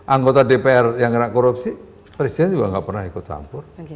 anggota dpr yang kena korupsi presiden juga nggak pernah ikut campur